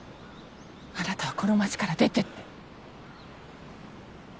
あなたはこの町から出て行って。